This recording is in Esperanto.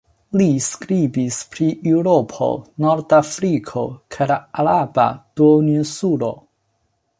Li skribis pri Eŭropo, Nordafriko kaj la araba duoninsulo.